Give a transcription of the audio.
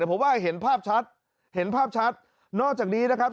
แต่ผมว่าเห็นภาพชัดเห็นภาพชัดนอกจากนี้นะครับ